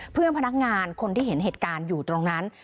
เพื่อนพนักงานคนที่เห็นเหตุการณ์อยู่ตรงนั้น